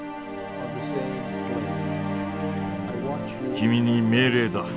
君に命令だ。